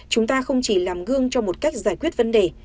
chúng ta không chỉ làm gương cho một cách giải quyết vấn đề